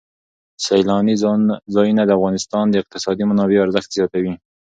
سیلانی ځایونه د افغانستان د اقتصادي منابعو ارزښت زیاتوي.